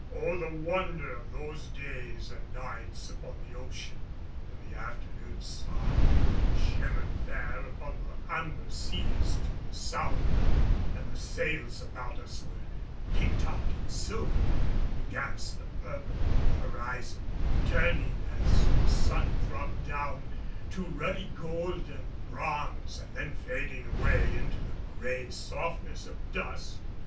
Oh, the wonder of those days and nights upon the ocean! When the afternoon sun shimmered fair upon the amber seas to the southward, and the sails about us were picked out in silver against the purple of the horizon, turning as the sun dropped down, to ruddy gold and bronze and then fading away into the gray softness of dusk!